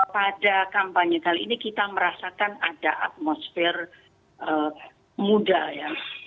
pada kampanye kali ini kita merasakan ada atmosfer muda ya